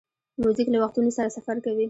موزیک له وختونو سره سفر کوي.